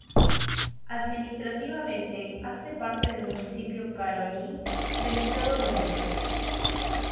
Administrativamente hace parte del Municipio Caroní, del Estado Bolívar.